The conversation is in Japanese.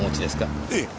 ええ。